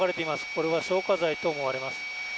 これは、消火剤と思われます。